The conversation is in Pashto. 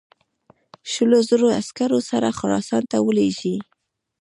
شلو زرو عسکرو سره خراسان ته ولېږي.